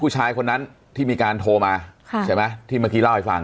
ผู้ชายคนนั้นที่มีการโทรมาใช่ไหมที่เมื่อกี้เล่าให้ฟัง